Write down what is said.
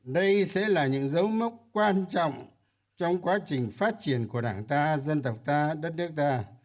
đây sẽ là những dấu mốc quan trọng trong quá trình phát triển của đảng ta dân tộc ta đất nước ta